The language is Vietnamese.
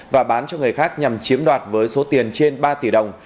và bán cho người khác nhằm chiếm đoạt với số tiền trên ba tỷ đồng